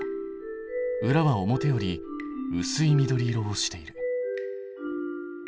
裏は表よりうすい緑色をしている。